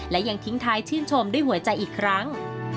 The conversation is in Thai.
และยังทิ้งท้ายชื่นชมด้วยหัวใจอีกครั้ง